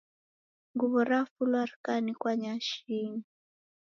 Nguw'o rafulwa rikaanikwa nyasinyi